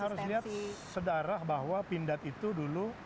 harus lihat sedarah bahwa pindad itu dulu